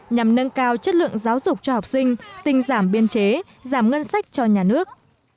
nhằm nâng cao chất lượng giáo dục cho học sinh tinh giảm biên chế giảm ngân sách cho nhà nước